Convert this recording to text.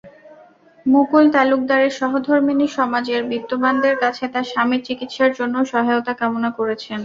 মুকুল তালুকদারের সহধর্মিণী সমাজের বিত্তবানদের কাছে তাঁর স্বামীর চিকিৎসার জন্য সহায়তা কামনা করেছেন।